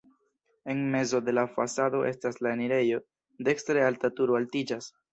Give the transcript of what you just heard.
En mezo de la fasado estas la enirejo, dekstre alta turo altiĝas.